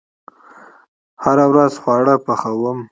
هره ورځ خواړه پخوم